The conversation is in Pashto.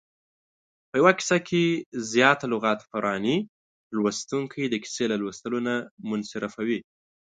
په یوه کیسه کې زیاته لغت پراني لوستونکی د کیسې له لوستلو نه منصرفوي.